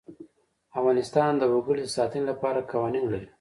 افغانستان د وګړي د ساتنې لپاره قوانین لري.